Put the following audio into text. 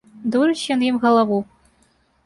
Дурыць ён ім галаву.